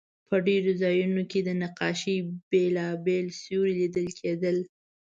په ډېرو ځایونو کې د نقاشۍ بېلابېل سیوري لیدل کېدل.